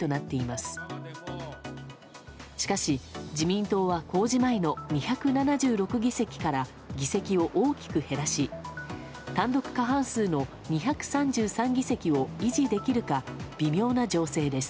しかし、自民党は公示前の２７６議席から議席を大きく減らし単独過半数の２３３議席を維持できるか微妙な情勢です。